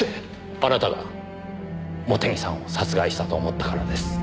あなたが茂手木さんを殺害したと思ったからです。